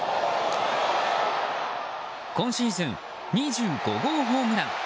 今シーズン２５号ホームラン。